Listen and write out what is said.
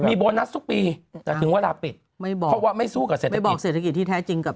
มีโบนัสทุกปีถึงวัดลาปิดเพราะก็ไม่สู้กับเศรษฐกิจ